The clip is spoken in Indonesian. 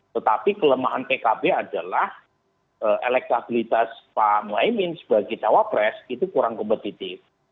tetapi kelemahan pkb adalah elektabilitas pak mwai min sebagai cawa pres itu kurang kompetitif